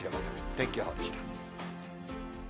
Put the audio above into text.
天気予報でした。